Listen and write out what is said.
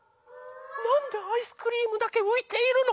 なんでアイスクリームだけういているの？